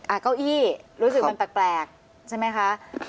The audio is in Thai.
เก้าอี้รู้สึกมันแปลกใช่ไหมคะ